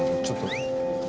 ちょっと。